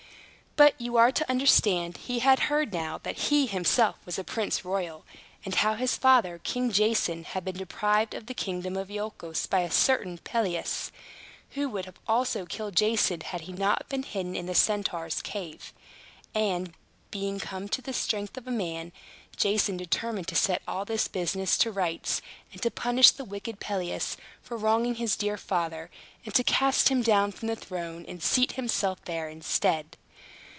But, you are to understand, he had heard how that he himself was a prince royal, and how his father, King Jason, had been deprived of the kingdom of Iolchos by a certain Pelias, who would also have killed Jason, had he not been hidden in the Centaur's cave. And, being come to the strength of a man, Jason determined to set all this business to rights, and to punish the wicked Pelias for wronging his dear father, and to cast him down from the throne, and seat himself there instead.